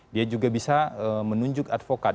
dia juga bisa menunjuk advokat